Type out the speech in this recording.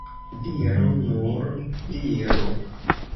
Diru, nur diru!